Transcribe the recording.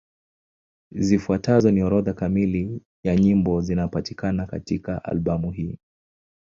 Zifuatazo ni orodha kamili ya nyimbo zinapatikana katika albamu hii.